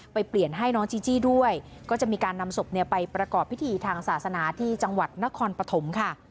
เปลี่ยนให้น้องจีจี้ด้วยก็จะมีการนำศพเนี่ยไปประกอบพิธีทางศาสนาที่จังหวัดนครปฐมค่ะ